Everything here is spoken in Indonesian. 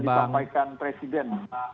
sudah disampaikan presiden